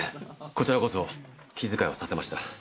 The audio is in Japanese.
こちらこそ気遣いをさせました。